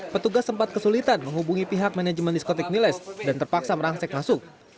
petugas sempat kesulitan menghubungi pihak manajemen diskotik miles dan terpaksa merangsek masuk